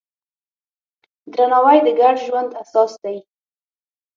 درناوی د ګډ ژوند اساس دی.